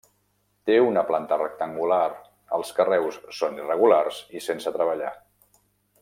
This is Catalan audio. Té una planta rectangular, els carreus són irregulars i sense treballar.